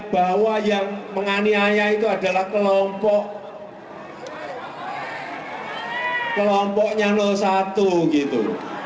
bahwa yang menganiaya itu adalah kelompoknya satu gitu